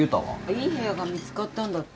いい部屋が見つかったんだって。